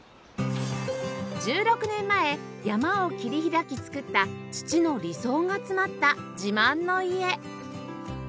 １６年前山を切り開き作った父の理想が詰まった自慢の家